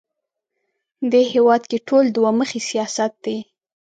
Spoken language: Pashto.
دې هېواد کې ټول دوه مخی سیاست دی